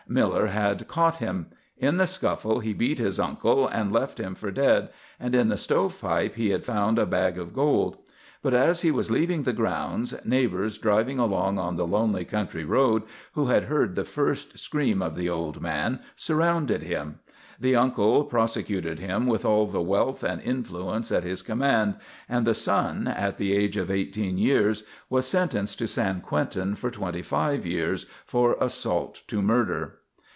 Miller had caught him. In the scuffle he beat his uncle and left him for dead, and in the stovepipe he had found a bag of gold. But as he was leaving the grounds, neighbours, driving along on the lonely country road, who had heard the first screams of the old man, surrounded him. The uncle prosecuted him with all the wealth and influence at his command, and the son, at the age of eighteen years, was sentenced to San Quentin for twenty five years for assault to murder.